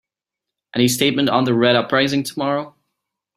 Any statement on the Red uprising tomorrow?